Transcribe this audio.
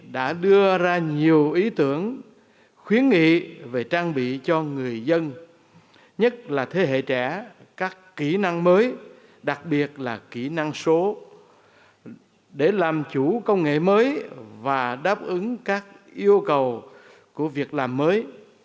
đã đưa ra nhiều ý tưởng khuyến nghị về trang bị cho người dân nhất là thế hệ trẻ các kỹ năng mới đặc biệt là kỹ năng số để làm chủ công nghệ mới và đáp ứng các yêu cầu của việc làm mới